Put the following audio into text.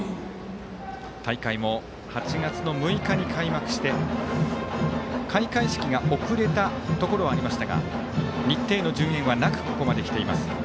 大会も８月の６日に開幕して開会式が遅れたところがありましたが日程の順延はなくここまできています。